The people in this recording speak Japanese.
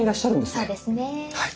そうですね。